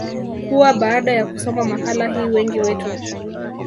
kuwa baada ya kusoma makala hii wengi wetu